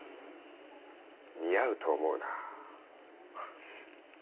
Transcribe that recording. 似合うと思うな。